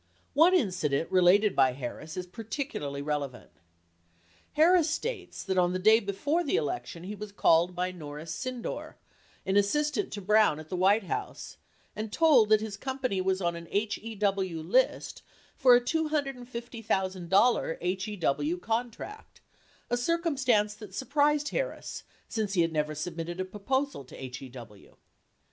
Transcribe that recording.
One incident related by Harris is particularly relevant. Harris states that the day before the election he was called by Norris Sydnor, an assistant to Brown at the White House, and told that his company was on a HEW list for a $250,000 HEW contract, a circumstance that surprised Harris since he had never submitted a proposal to HEW.